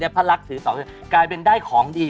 พระรักษือเสากลายเป็นได้ของดี